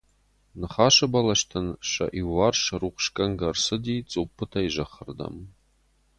Ныхасы бӕлӕстӕн сӕ иуварс рухсгӕнгӕ ӕрцыди цъуппытӕй зӕххы ’рдӕм.